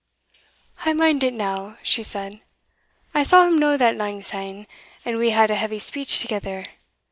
"I mind it now," she said; "I saw him no that langsyne, and we had a heavy speech thegither.